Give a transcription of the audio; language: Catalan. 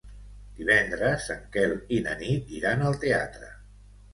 Divendres en Quel i na Nit iran al teatre.